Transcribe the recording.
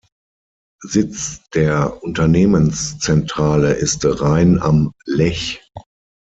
Sitz der Unternehmenszentrale ist Rain am Lech.